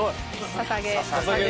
ささげ。